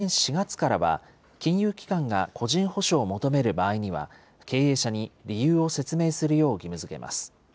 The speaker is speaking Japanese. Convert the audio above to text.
また来年４月からは、金融機関が個人保証を求める場合には、経営者に理由を説明するよう義務づけます。